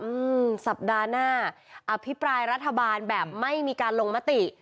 อืมสัปดาห์หน้าอภิปรายรัฐบาลแบบไม่มีการลงมติ